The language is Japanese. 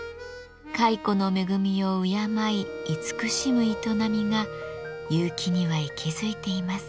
蚕の恵みを敬い慈しむ営みが結城には息づいています。